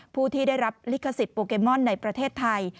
ผู้ที่ได้รับลิขสิทธิโปเกมอนในประเทศไทย